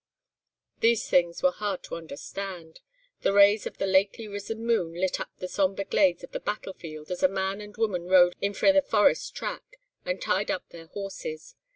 These things were hard to understand. The rays of the lately risen moon lit up the sombre glades of the battlefield as a man and woman rode in frae the forest track, and tied up their horses.